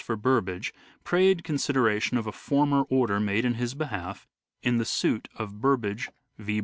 for Burbage prayed consideration of a former order made in his behalf in the suit of Burbage v.